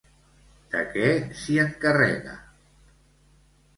De què s'hi encarrega?